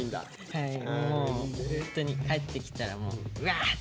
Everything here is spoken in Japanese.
はいもうホントに帰ってきたらうわって。